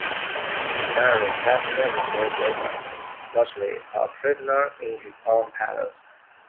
Narai died several days later, virtually a prisoner in his own palace.